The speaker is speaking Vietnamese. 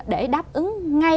để đáp ứng ngay